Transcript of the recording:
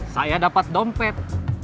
saya dapat dompet